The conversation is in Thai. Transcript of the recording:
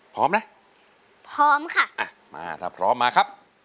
พร้อมไหมพร้อมค่ะมาครับพร้อมมาครับ